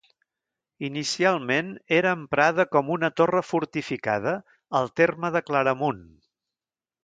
Inicialment era emprada com una torre fortificada, al terme de Claramunt.